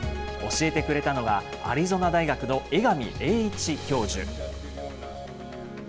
教えてくれたのが、アリゾナ大学の江上英一教授。